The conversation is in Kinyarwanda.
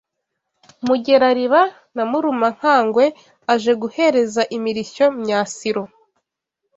Mugerariba na Murumankagwe aje guhereza imirishyo Myasiro